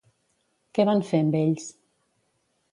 Què van fer amb ells?